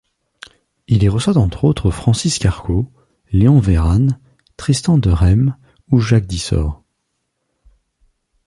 Il y reçoit entre autres Francis Carco, Léon Vérane, Tristan Derème ou Jacques Dyssord.